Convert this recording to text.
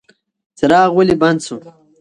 څراغ ولې بند شو؟